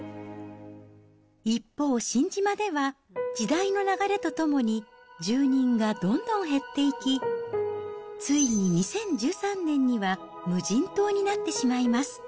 一方、新島では、時代の流れとともに、住人がどんどん減っていき、ついに２０１３年には無人島になってしまいます。